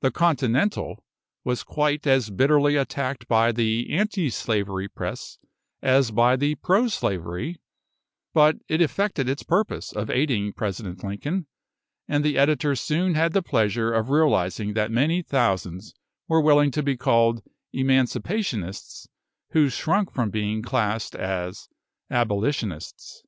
The "Continental" was quite as bitterly attacked by the anti slavery press as by the pro slavery; but it effected its purpose of aiding President Lincoln, and the editor soon had the pleasure of realising that many thousands were willing to be called Emancipationists who shrunk from being classed as Abolitionists.